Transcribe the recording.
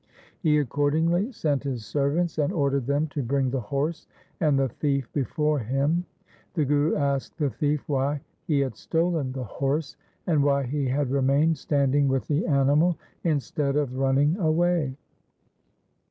He accordingly sent his servants, and ordered them to bring the horse and the thief before him. The Guru asked the thief why he had stolen the horse, and why he had remained standing with the animal instead of running away.